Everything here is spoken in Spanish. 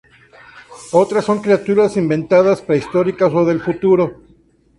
Otras son criaturas inventadas, prehistóricas o del futuro.